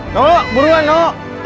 tolong buruan ya pak